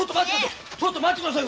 ちょっと待って下さい！